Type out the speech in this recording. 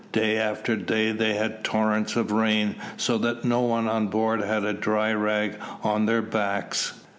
Day after day they had torrents of rain, so that no one on board had a dry rag on their backs.